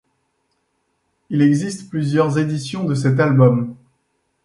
Il existe plusieurs éditions de cet album.